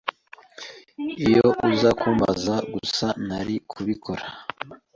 Iyo uza kumbaza gusa, nari kubikora.